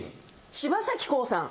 柴咲コウさん。